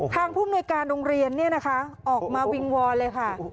ทางภูมิหน่วยการโรงเรียนออกมาวิ่งวอลเลยค่ะ